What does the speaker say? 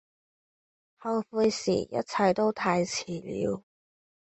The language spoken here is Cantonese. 後悔時一切都太遲了